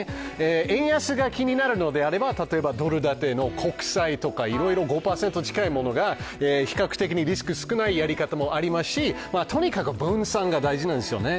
円安が気になるのであれば、例えばドル建ての国債とかいろいろ５％近いものが比較的リスクが少ないものがありますし、分散が必要なんですよね。